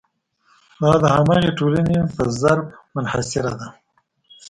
دا د همغې ټولنې په ظرف منحصره ده.